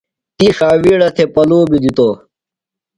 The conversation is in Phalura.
تی ݜاوِیڑہ تھےۡ پلُوۡ بیۡ دِتوۡ ہِنوۡ۔